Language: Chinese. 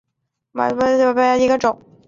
长蝠硬蜱为硬蜱科硬蜱属下的一个种。